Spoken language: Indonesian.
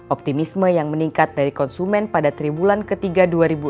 optimisme yang meningkat dari konsumen pada tribulan ketiga dua ribu enam belas